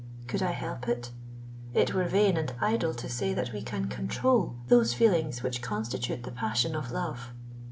Could I help it? It were vain and idle to say that we can control those feelings which constitute the passion of Love!